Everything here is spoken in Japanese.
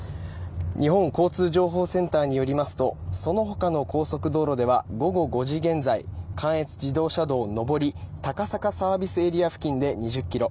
日本道路交通情報センターによりますとそのほかの高速道路では午後５時現在、関越自動車道上り高坂ＳＡ付近で２０ｋｍ